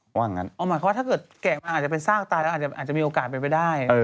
หมายความว่าถ้าเก่งมาอาจจะเป็นซากตายแล้วอาจจะมีโอกาสเป็นไปได้